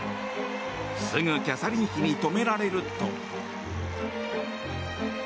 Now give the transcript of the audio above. すぐキャサリン妃に止められると。